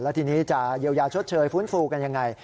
แล้วทีนี้จะเยียวยาชดเชยฟื้นฟูกันยังไง